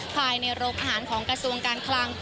ภายในโรงอาหารของกระทรวงการคลัง